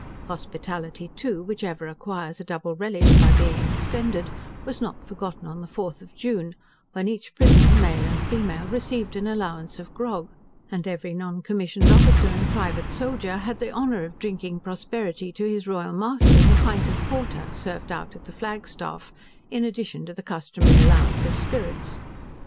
Hospitality too, which ever acquires a double relish by being extended, was not forgotten on the 4th of June, when each prisoner, male and female, received an allowance of grog; and every non commissioned officer and private soldier had the honor of drinking prosperity to his royal master, in a pint of porter, served out at the flag staff, in addition to the customary allowance of spirits.